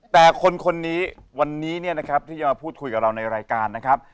แต่คนนี้วันนี้เนี่ยนะครับที่จะมาพูดคุยกับเราในรายการนะครับ